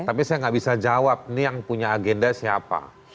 tapi saya nggak bisa jawab nih yang punya agenda siapa